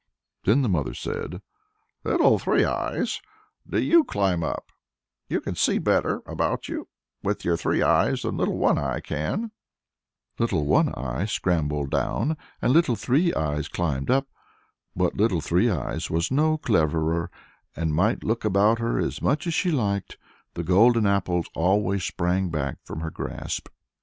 Then the mother said, "Little Three Eyes, do you climb up; you can see better about you with your three eyes than Little One Eye can." Little One Eye scrambled down, and Little Three Eyes climbed up. But Little Three Eyes was no cleverer, and might look about her as much as she liked the golden apples always sprang back from her grasp.